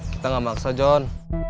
kita gak maksa john